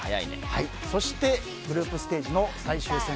そしてグループステージの最終戦